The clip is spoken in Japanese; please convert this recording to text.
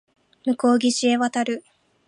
向こう岸へ渡る